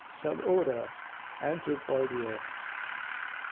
Suborder Anthropoidea.